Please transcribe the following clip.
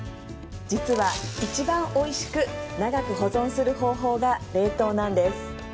実は一番おいしく長く保存する方法が冷凍なんです